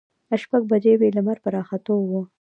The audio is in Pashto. شپږ بجې وې، لمر په راختو و.